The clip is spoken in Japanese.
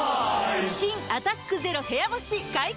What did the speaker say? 新「アタックＺＥＲＯ部屋干し」解禁‼